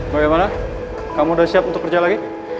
bagaimana kamu sudah siap untuk kerja lagi